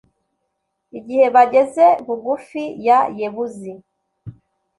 igihe bageze bugufi ya yebuzi